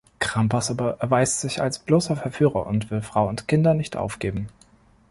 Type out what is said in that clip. Crampas aber erweist sich als bloßer Verführer und will Frau und Kinder nicht aufgeben.